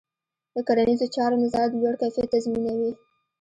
د کرنيزو چارو نظارت د لوړ کیفیت تضمینوي.